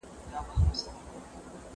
تاسو بايد د هر کتاب له لوستلو نوی درس واخلئ.